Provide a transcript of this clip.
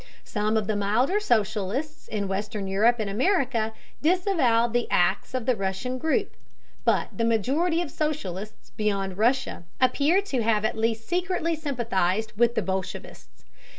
Some of the milder socialists in western Europe and America disavowed the acts of the Russian group, but the majority of socialists beyond Russia appear to have at least secretly sympathized with the bolshevists.